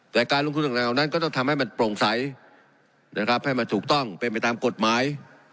แต่การลงทุนต่างนั้นก็ต้องทำให้มันโปร่งใสนะครับให้มันถูกต้องเป็นไปตามกฎหมาย